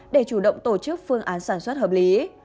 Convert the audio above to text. để chủ động tổ chức phương án sản xuất hợp lý